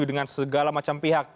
dengan segala macam pihak